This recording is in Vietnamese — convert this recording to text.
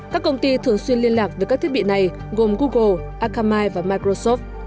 các công ty thường xuyên liên lạc với các thiết bị này gồm google akamai và microsoft